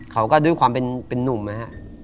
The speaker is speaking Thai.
เขาก็ด้วยความเป็นนุ่มนะฮะ